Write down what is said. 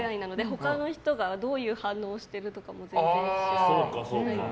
他の人がどういう反応をしてるとかも全然知らないので。